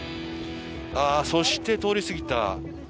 そして、通り過ぎた。